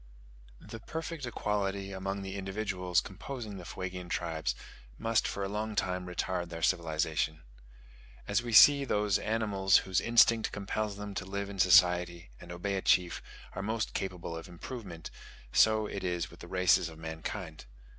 The perfect equality among the individuals composing the Fuegian tribes must for a long time retard their civilization. As we see those animals, whose instinct compels them to live in society and obey a chief, are most capable of improvement, so is it with the races of mankind.